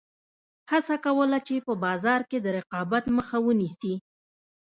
هڅه کوله چې په بازار کې د رقابت مخه ونیسي.